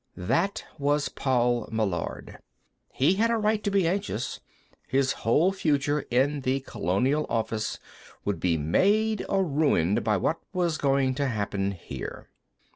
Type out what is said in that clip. That was Paul Meillard. He had a right to be anxious; his whole future in the Colonial Office would be made or ruined by what was going to happen here.